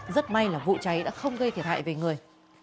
rất may là vụ cháy đã không gây thiệt hại về người